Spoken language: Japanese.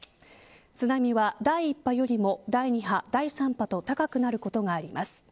津波は第１波よりも第２波、第３波と高くなることがあります。